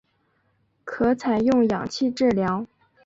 可采用氧气治疗。